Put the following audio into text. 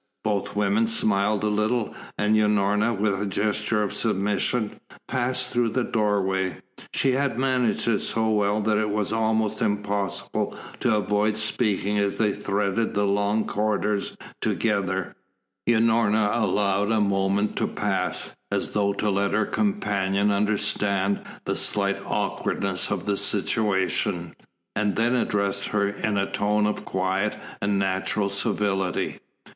Both women smiled a little, and Unorna, with a gesture of submission, passed through the doorway. She had managed it so well that it was almost impossible to avoid speaking as they threaded the long corridors together. Unorna allowed a moment to pass, as though to let her companion understand the slight awkwardness of the situation, and then addressed her in a tone of quiet and natural civility.